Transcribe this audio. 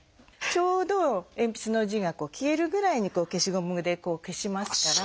ちょうど鉛筆の字が消えるぐらいに消しゴムで消しますから。